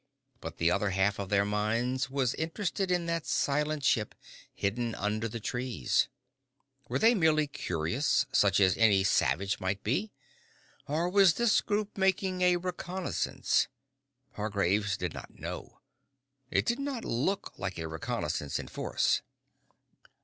But the other half of their minds was interested in that silent ship hidden under the trees. Were they merely curious, such as any savage might be? Or was this group making a reconnaissance? Hargraves did not know. It did not look like a reconnaissance in force.